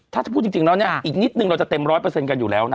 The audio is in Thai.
ถ้าจะพูดจริงแล้วเนี่ยอีกนิดนึงเราจะเต็มร้อยเปอร์เซ็นกันอยู่แล้วนะ